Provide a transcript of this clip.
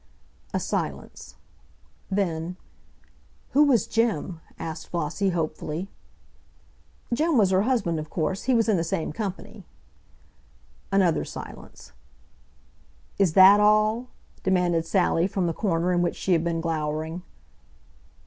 A silence. Then "Who was Jim?" asked Flossie, hopefully. "Jim was her husband, of course. He was in the same company." Another silence. "Is that all?" demanded Sally from the corner in which she had been glowering.